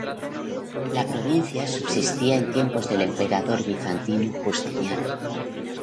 La provincia subsistía en tiempos del emperador bizantino Justiniano.